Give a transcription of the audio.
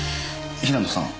平野さん。